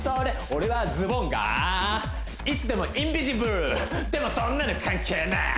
俺はズボンがいつでもインビジブルでもそんなの関係ねぇ！